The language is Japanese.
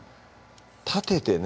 立ててね